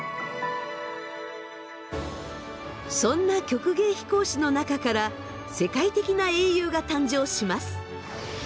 そんな曲芸飛行士の中から世界的な英雄が誕生します。